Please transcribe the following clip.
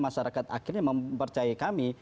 masyarakat akhirnya mempercayai kami